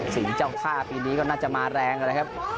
เจ้าท่าปีนี้ก็น่าจะมาแรงนะครับ